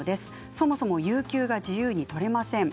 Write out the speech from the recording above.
そもそも有給が自由に取れません。